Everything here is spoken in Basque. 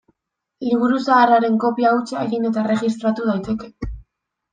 Liburu zahar haren kopia hutsa egin eta erregistratu daiteke.